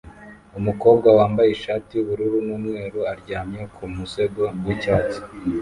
Umukobwa wambaye ishati yubururu numweru aryamye ku musego wicyatsi